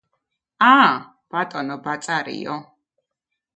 ა, ბატონო ბაწარიო